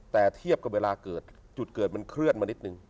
แต่เทียบกับเวลาเกิดจุดเกิดมันเคลื่อนมานิดนึง